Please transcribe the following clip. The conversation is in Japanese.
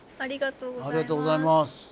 ありがとうございます。